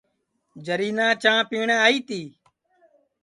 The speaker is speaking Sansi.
جرینا چانٚھ پِیٹؔیں آئی تی